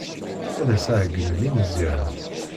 Ad as-ɛeyynen i Meẓyan.